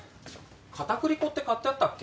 片栗粉って買ってあったっけ？